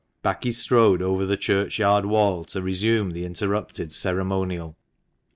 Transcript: Back he strode over the churchyard wall to resume the interrupted ceremonial.